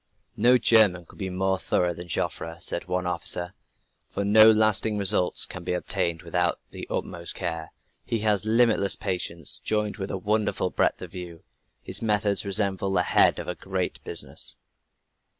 "No German could be more thorough than Joffre," said one officer. "For him no lasting results can be obtained without the utmost care. He has limitless patience, joined with a wonderful breadth of view. His methods resemble the head of a great business."